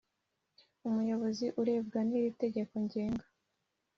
Umuyobozi urebwa n iri tegeko ngenga